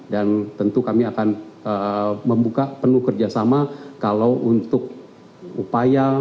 dan tentu kami akan membuka penuh kerjasama kalau untuk upaya